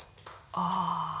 ああ。